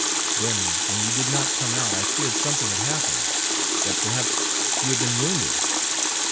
Then when you did not come out I feared something had happened, that perhaps you had been wounded.